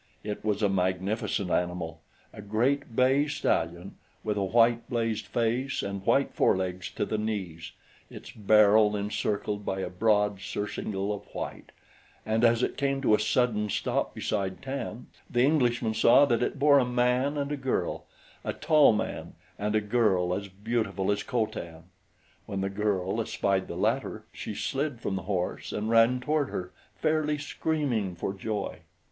It was a magnificent animal a great bay stallion with a white blazed face and white forelegs to the knees, its barrel encircled by a broad surcingle of white; and as it came to a sudden stop beside Tan, the Englishman saw that it bore a man and a girl a tall man and a girl as beautiful as Co Tan. When the girl espied the latter, she slid from the horse and ran toward her, fairly screaming for joy.